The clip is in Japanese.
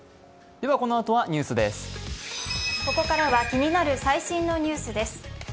ここからは気になる最新のニュースです。